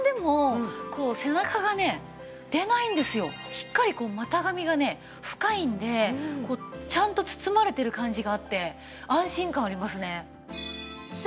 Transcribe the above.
しっかり股上がね深いんでちゃんと包まれてる感じがあって安心感ありますね。